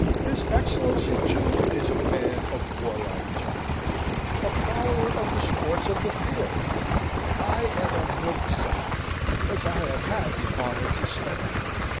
His Excellency, too, is a man of warlike turn, a follower of the sports of the field. I am a milksop, as I have had the honour to say."